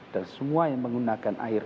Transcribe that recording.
dan semua yang menggunakan air